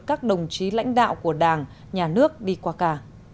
các đồng chí lãnh đạo của đảng nhà nước đi qua cả